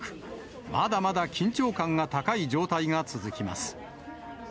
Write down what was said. まだまだ緊張感が高い状態が続きます。